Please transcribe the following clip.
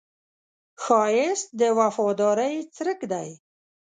ښایست د وفادارۍ څرک دی